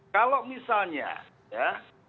kalau misalnya ya